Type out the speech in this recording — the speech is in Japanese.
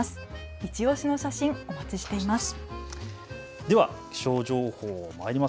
いちオシの写真、お待ちしています。